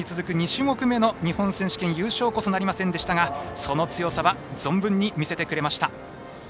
２種目めの日本選手権優勝こそなりませんでしたがその強さは存分に見せてくれました。